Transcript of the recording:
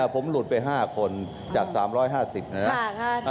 ผมหลุดไป๕คนจาก๓๕๐นะครับ